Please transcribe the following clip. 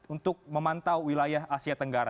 untuk memantau wilayah asia tenggara